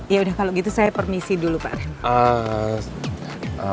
ya udah kalau gitu saya permisi dulu pak rem